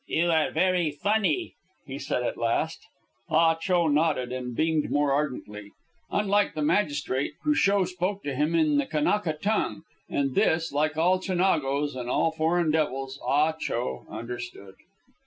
"You are very funny," he said at last. Ah Cho nodded and beamed more ardently. Unlike the magistrate, Cruchot spoke to him in the Kanaka tongue, and this, like all Chinagos and all foreign devils, Ah Cho understood.